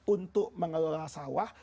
untuk mengelola sawah